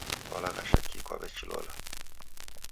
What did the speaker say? Kwalaghasha ki kwawechilola?